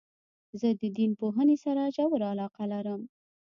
زه د دین پوهني سره ژوره علاقه لرم.